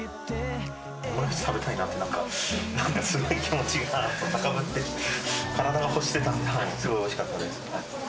オムライス食べたいなって、なんかすごい気持ちがたかぶってきて、体が欲してたので、すごくおいしかったです。